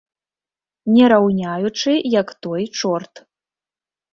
Не раўняючы, як той чорт.